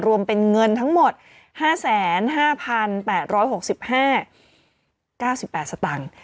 รวมเป็นเงินทั้งหมดห้าแสนห้าพันแปดร้อยหกสิบห้าเก้าสิบแปดสตังค์